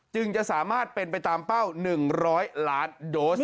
จึงจะสามารถเป็นไปตามเป้า๑๐๐ล้านโดส